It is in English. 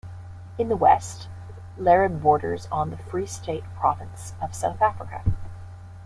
In the west, Leribe borders on the Free State Province of South Africa.